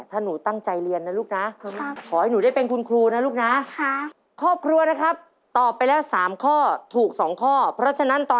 ถ้าหนูตั้งใจเรียนนะลูกนะ